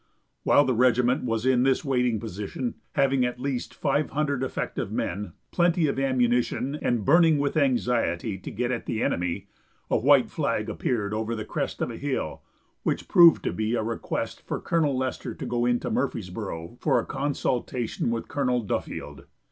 While the regiment was in this waiting position, having at least five hundred effective men, plenty of ammunition, and burning with anxiety to get at the enemy, a white flag appeared over the crest of a hill which proved to be a request for Colonel Lester to go into Murfreesboro for a consultation with Colonel Duffield.